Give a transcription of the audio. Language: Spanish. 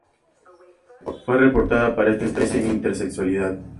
Fue reportada para esta especie intersexualidad.